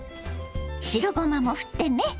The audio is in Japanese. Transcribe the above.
白ごまもふってね。